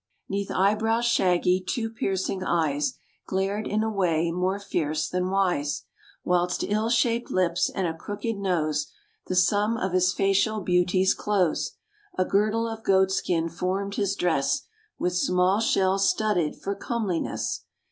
] 'Neath eyebrows shaggy, two piercing eyes Glared in a way more fierce than wise; Whilst ill shaped lips and a crooked nose, The sum of his facial beauties close. A girdle of goat skin formed his dress, With small shells studded for comeliness.